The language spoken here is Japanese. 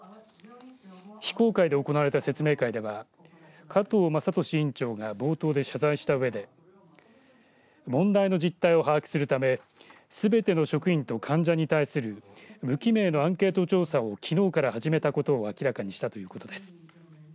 非公開で行われた説明会では加藤政利院長が冒頭で謝罪したうえで問題の実態を把握するためすべての職員と患者に対する無記名のアンケート調査をきのうから始めたことを明らかにしたということです。